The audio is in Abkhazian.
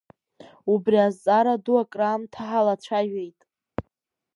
Убри азҵаара ду акраамҭа ҳалацәажәеит.